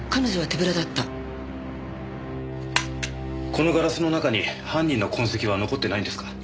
このガラスの中に犯人の痕跡は残ってないんですか？